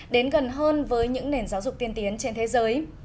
đến gần hơn với những nền giáo dục tiên tiến trên thế giới